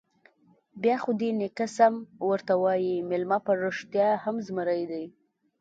_بيا خو دې نيکه سم ورته وايي، مېلمه په رښتيا هم زمری دی.